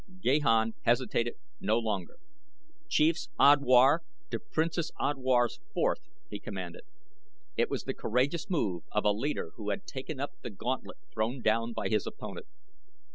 Gahan hesitated no longer. "Chief's Odwar to Princess' Odwar's fourth!" he commanded. It was the courageous move of a leader who had taken up the gauntlet thrown down by his opponent.